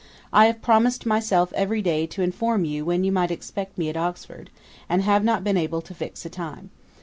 I have promised myself every day to inform you when you might expect me at Oxford, and have not been able to fix a time.